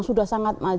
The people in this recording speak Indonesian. di negara negara lain